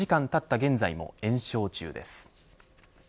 現在も延焼中です。